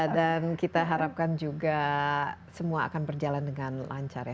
dan kita harapkan juga semua akan berjalan dengan lancar ya